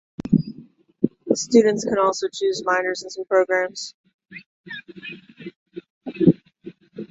Students can also choose minors in some programs.